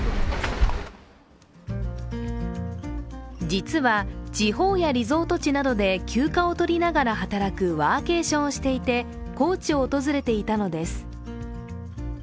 実は、地方やリゾート地などで休暇を取りながら働くワーケーションをしていて、高知を訪れていたのです。